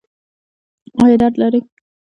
ایا درد لرئ؟